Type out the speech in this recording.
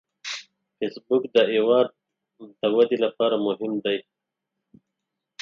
فېسبوک د هیواد د ودې لپاره مهم دی